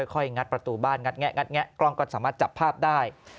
ค่อยงัดประตูบ้านงัดแงะกล้องก็สามารถจับภาพได้